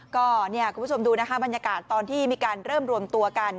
ก็เนี่ยคุณผู้ชมดูนะคะบรรยากาศตอนที่มีการเริ่มรวมตัวกัน